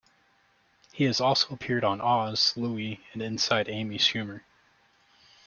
He has also appeared on "Oz", "Louie" and "Inside Amy Schumer".